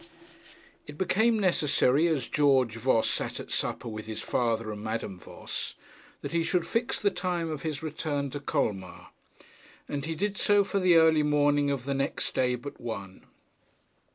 It became necessary as George Voss sat at supper with his father and Madame Voss that he should fix the time of his return to Colmar, and he did so for the early morning of the next day but one.